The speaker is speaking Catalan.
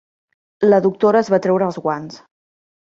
La doctora es va treure els guants.